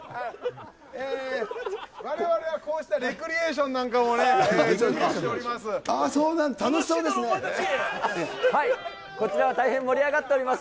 われわれはこうしてね、レクリエーションなんかもね、準備しております。